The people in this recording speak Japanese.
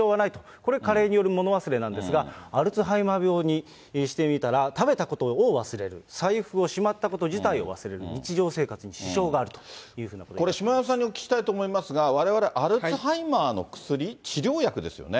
これ、加齢による物忘れなんですが、アルツハイマー病にしてみたら、食べたことを忘れる、財布をしまったこと自体を忘れる、日常生活これ、下山さんにお聞きしたいと思いますが、われわれ、アルツハイマーの薬、治療薬ですよね。